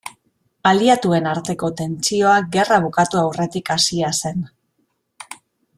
Aliatuen arteko tentsioa gerra bukatu aurretik hasia zen.